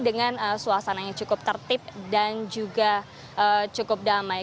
dengan suasana yang cukup tertib dan juga cukup damai